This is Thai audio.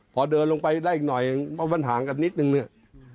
พอเดินลงไปได้อีกหน่อยเพราะมันห่างกันนิดนึงเนี่ย